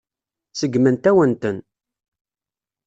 Seggment-awen-ten.